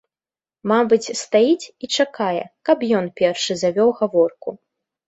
Мабыць, стаіць і чакае, каб ён першы завёў гаворку.